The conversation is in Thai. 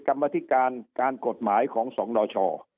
กรรมธิการการกฎหมายของสนช